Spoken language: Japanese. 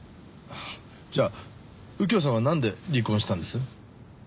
じゃあ右京さんはなんで離婚したんです？